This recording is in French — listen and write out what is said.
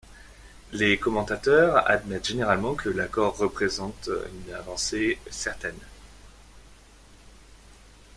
Les commentateurs admettent généralement que l'accord représente une avancée certaine.